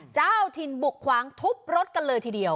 เจ้าถิ่นบุกขวางทุบรถกันเลยทีเดียว